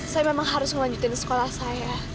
saya memang harus melanjutkan sekolah saya